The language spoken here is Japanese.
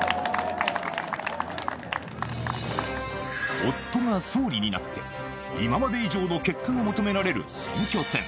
夫が総理になって今まで以上の結果が求められる選挙戦。